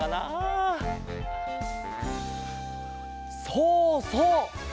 そうそう。